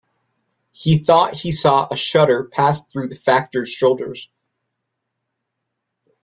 He thought he saw a shudder pass through the Factor's shoulders.